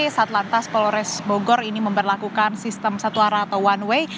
satlantas polres bogor ini memperlakukan sistem satu arah atau one way